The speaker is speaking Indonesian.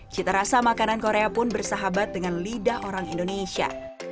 cita rasa makanan korea pun bersahabat dengan lidah orang indonesia